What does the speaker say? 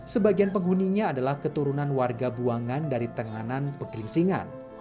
sebagian penghuninya adalah keturunan warga buangan dari tenganan pegeringsingan